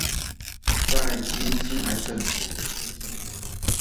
在今青海省贵德县境内。